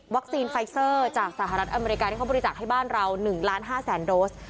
วัคซีนไฟซอร์จากสหรัฐอเมริกาที่เขาบริจาคให้บ้านเรา๑๕๐๐๐๐๐โดส